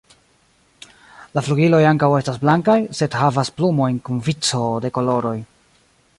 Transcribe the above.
La flugiloj ankaŭ estas blankaj, sed havas plumojn kun vico de koloroj.